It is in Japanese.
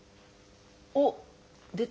おっ出た。